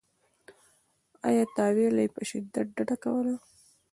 له تأویله یې په شدت ډډه کوله.